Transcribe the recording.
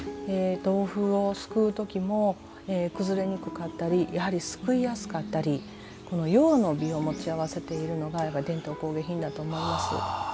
豆腐をすくう時も崩れにくかったりやはりすくいやすかったり用の美を持ち合わせているのが伝統工芸品だと思います。